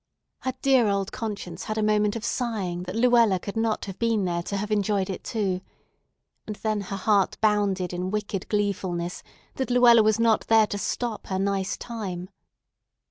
Her dear old conscience had a moment of sighing that Luella could not have been there to have enjoyed it too, and then her heart bounded in wicked gleefulness that Luella was not there to stop her nice time.